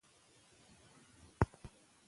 که د اوبو ذخیرې جوړې کړو نو وچکالي نه راځي.